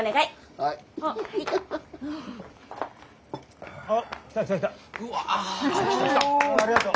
おありがとう。